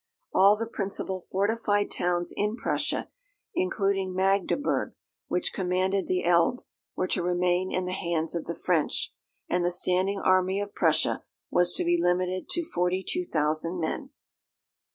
All the principal fortified towns in Prussia, including Magdeburg, which commanded the Elbe, were to remain in the hands of the French; and the standing army of Prussia was to be limited to 42,000 men.